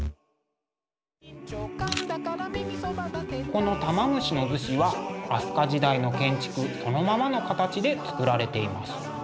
この玉虫厨子は飛鳥時代の建築そのままの形で作られています。